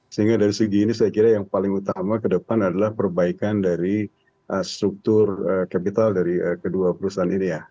sehingga dari segi ini saya kira yang paling utama ke depan adalah perbaikan dari struktur kapital dari kedua perusahaan ini ya